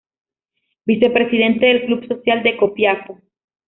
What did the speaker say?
Vicepresidente del Club Social de Copiapó.